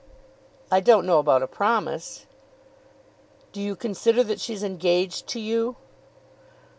"I don't know about a promise." "Do you consider that she's engaged to you?"